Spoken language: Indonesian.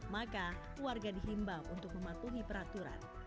maka warga dihimbau untuk mematuhi peraturan